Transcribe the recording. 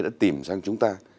đã tìm sang chúng ta